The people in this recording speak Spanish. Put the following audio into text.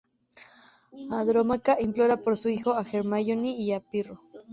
Andrómaca implora por su hijo a Hermione y a Pirro.